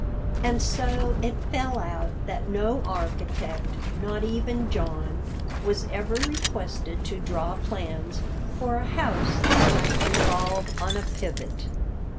And so it fell out that no architect, not even John, was ever requested to draw plans for a house that might revolve on a pivot.